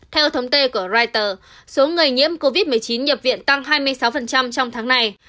theo thống kê của reuters số người nhiễm covid một mươi chín nhập viện tăng hai mươi sáu trong tháng này